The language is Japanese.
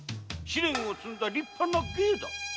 修練を積んだ立派な芸だ。